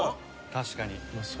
確かに。